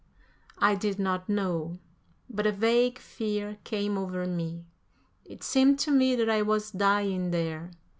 I did not know, but a vague fear came over me. It seemed to me that I was dying there.